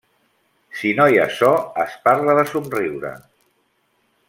Si no hi ha so, es parla de somriure.